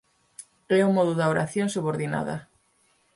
É o modo da oración subordinada.